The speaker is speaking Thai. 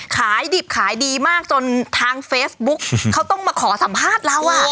ขายดิบขายดีมากจนทางเฟซบุ๊กเขาต้องมาขอสัมภาษณ์เราอ่ะ